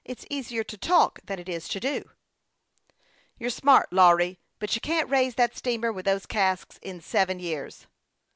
It's easier to talk than it is to do.'" " You're smart, Lawry ; but you can't raise *^at steamer with those casks in seven years."